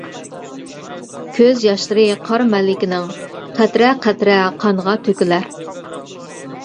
كۆز ياشلىرى قار مەلىكىنىڭ، قەترە-قەترە قانغا تۆكۈلەر.